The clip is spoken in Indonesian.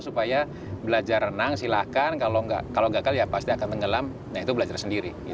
supaya belajar renang silahkan kalau gagal ya pasti akan tenggelam nah itu belajar sendiri